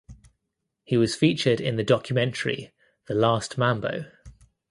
He was featured in the documentary "The Last Mambo".